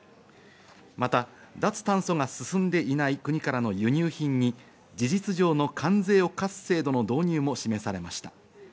また脱炭素が進んでいない国からの輸入品に事実上の関税を課す制度の導入も示されました。